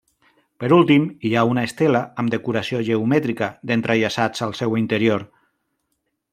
Per últim hi ha una estela amb decoració geomètrica d'entrellaçats al seu interior.